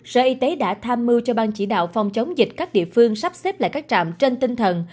sở y tế đã tham mưu cho ban chỉ đạo phòng chống dịch các địa phương sắp xếp lại các trạm trên tinh thần